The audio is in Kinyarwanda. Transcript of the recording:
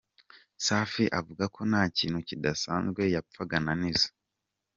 Safi avuga ko nta kintu kidasanzwe yapfaga na Nizo.